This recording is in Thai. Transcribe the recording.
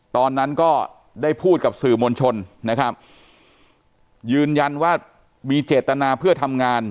ตอนนั้นก็ได้พูดกับสื่อมวลชนนะครับยืนยันว่ามีเจตนาเพื่อทำงาน